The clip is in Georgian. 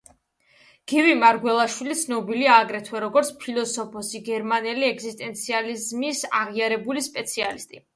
გივი მარგველაშვილი ცნობილია აგრეთვე როგორც ფილოსოფოსი, გერმანული ეგზისტენციალიზმის აღიარებული სპეციალისტი.